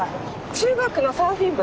中学のサーフィン部？